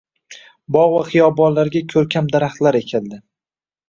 Bog‘ va xiyobonlarga ko'rkam daraxtlar ekildi.